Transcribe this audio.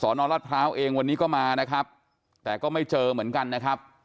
นอนรัฐพร้าวเองวันนี้ก็มานะครับแต่ก็ไม่เจอเหมือนกันนะครับ